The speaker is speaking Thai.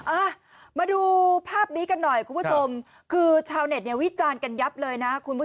อ่ะมาดูภาพนี้กันหน่อยคุณผู้ชมคือชาวเน็ตเนี่ยวิจารณ์กันยับเลยนะคุณผู้ชม